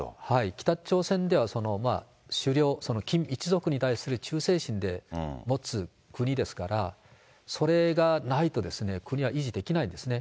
北朝鮮では、首領、キム一族に対する忠誠心でもつ国ですから、それがないと国は維持できないんですね。